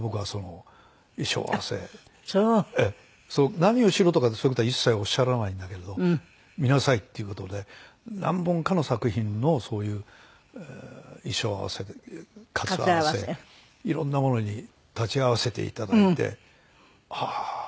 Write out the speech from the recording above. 何をしろとかそういう事は一切おっしゃらないんだけど見なさいっていう事で何本かの作品のそういう衣装合わせかつら合わせいろんなものに立ち会わせていただいてああー。